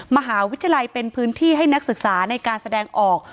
มหาวิทยาลัยเป็นพื้นที่ให้นักศึกษาในการแสดงออก